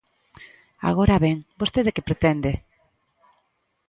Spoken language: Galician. Agora ben, ¿vostede que pretende?